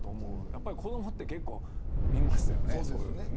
やっぱり、子どもって結構見ますよね、そういうのね。